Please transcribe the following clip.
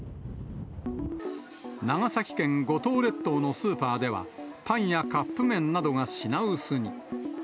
長崎県五島列島のスーパーでは、パンやカップ麺などが品薄に。